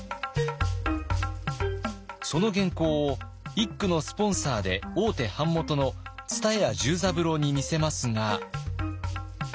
その原稿を一九のスポンサーで大手版元の蔦屋重三郎に見せますが。